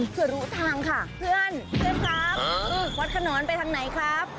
เพื่อนเพื่อนครับวัดขนอนไปทางไหนครับ